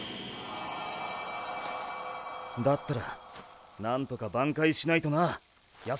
だったらなんとか挽回しないとな靖友。